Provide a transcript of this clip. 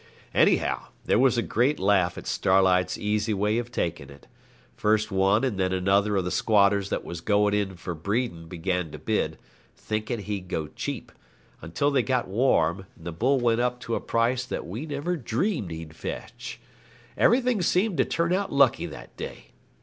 Anyhow, there was a great laugh at Starlight's easy way of taking it. First one and then another of the squatters that was going in for breeding began to bid, thinking he'd go cheap, until they got warm, and the bull went up to a price that we never dreamed he'd fetch. Everything seemed to turn out lucky that day.